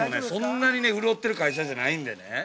そんなに潤っている会社じゃないんでね。